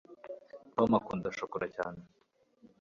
tom akunda shokora cyane